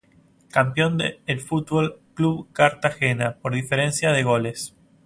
Campeón el Fútbol Club Cartagena por diferencia de goles.